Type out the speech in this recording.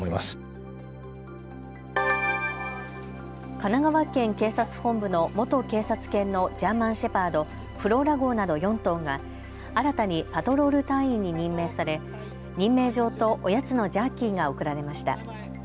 神奈川県警察本部の元警察犬のジャーマンシェパード、フローラ号など４頭が新たにパトロール隊員に任命され任命状とおやつのジャーキーが贈られました。